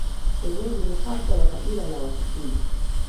Wenyeji ni haswa wa kabila la Wakikuyu.